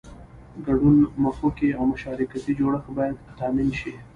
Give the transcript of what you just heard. ګډون مخوکی او مشارکتي جوړښت باید تامین شي.